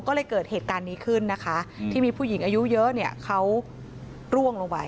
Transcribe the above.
ก็เลยเกิดเหตุการณ์นี้ขึ้นนะคะที่มีผู้หญิงอายุเยอะเนี่ยเขาร่วงลงไป